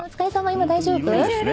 今大丈夫？